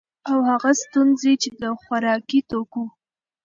او هغه ستونزي چي د خوراکي توکو